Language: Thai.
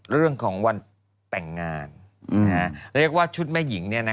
เรื่องของวันแต่งงานแล้วเรียกว่าชุดแม่หญิงเนี่ยนะ